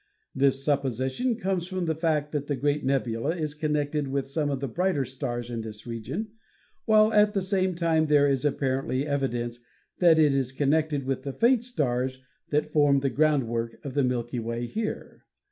This supposition comes from the fact that the great nebula is connected with some of the brighter stars in this region, while at the same time there is apparently evidence that it is connected with the faint stars that form the ground work of the Milky Way here.